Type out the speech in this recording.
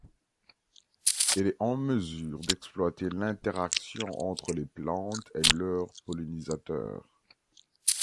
Elle est en mesure d'exploiter l'interaction entre les plantes et leurs pollinisateurs.